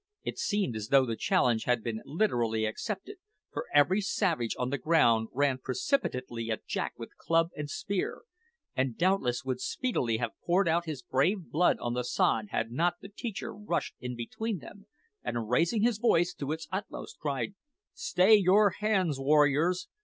It seemed as though the challenge had been literally accepted; for every savage on the ground ran precipitately at Jack with club and spear, and doubtless would speedily have poured out his brave blood on the sod had not the teacher rushed in between them, and raising his voice to its utmost, cried: "Stay your hands, warriors!